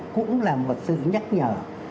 cũng là một sự nhắc nhở